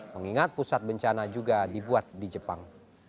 mengingat pusat bencana juga dibuat di jepang